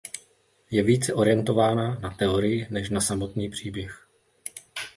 Je více orientována na teorii než na samotný příběh.